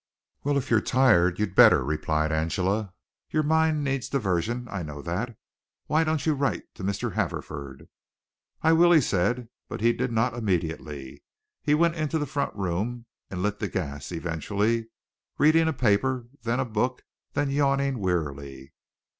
"Well, if you're tired you'd better," replied Angela. "Your mind needs diversion, I know that. Why don't you write to Mr. Haverford?" "I will," he said, but he did not immediately. He went into the front room and lit the gas eventually, reading a paper, then a book, then yawning wearily.